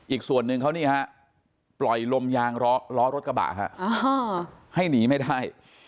อีกส่วนหนึ่งเขานี่ฮะปล่อยลมยางล้อรถกระบะให้หนีไม่ได้